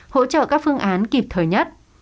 hỗ trợ các phương án kịp thời nhất